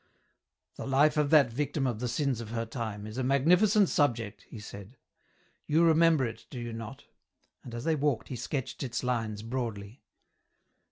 " The life of that victim of the sins of her time is a magnificent subject," he said; "you remember it, do you not ?" and as they walked he sketched its lines, broadly.